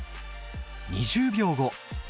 ２０秒後。